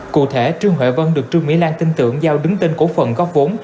cụ thể trương huệ vân được trương mỹ lan tin tưởng giao đứng tên cổ phận góp vốn